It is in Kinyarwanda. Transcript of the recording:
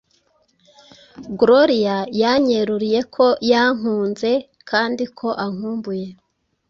Gloria yanyeruriye ko yankunze kandi ankumbuye